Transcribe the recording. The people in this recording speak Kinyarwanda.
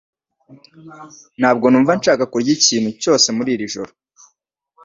Ntabwo numva nshaka kurya ikintu cyose muri iri joro